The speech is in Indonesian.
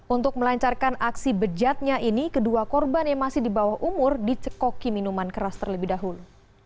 untuk melancarkan aksi bejatnya ini kedua korban yang masih di bawah umur dicekoki minuman keras terlebih dahulu